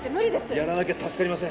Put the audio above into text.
やらなきゃ助かりません